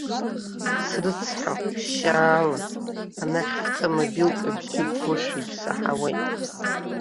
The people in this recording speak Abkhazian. Срыцҳауп, ԥшьаала, анахь фтамбилк абжьы гошәагьы саҳауеит!